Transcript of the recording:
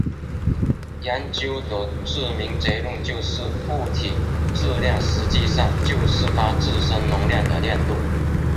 研究的著名结论就是物体质量实际上就是它自身能量的量度。